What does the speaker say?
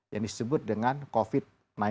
yang disebut dengan covid sembilan belas